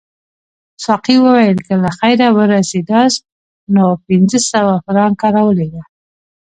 ساقي وویل که له خیره ورسیداست نو پنځه سوه فرانکه راولېږه.